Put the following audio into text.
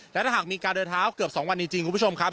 และถ้าหากมีการเดินเท้าเกือบ๒วันจริงคุณผู้ชมครับ